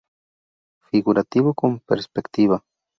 Figurativo con perspectiva.